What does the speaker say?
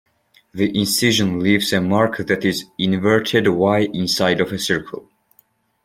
The incision leaves a mark that is an inverted Y inside of a circle.